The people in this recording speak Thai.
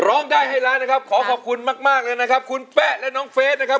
ร้องได้ให้ล้านนะครับขอขอบคุณมากมากเลยนะครับคุณแป๊ะและน้องเฟสนะครับ